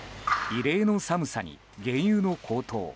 異例の寒さに原油の高騰。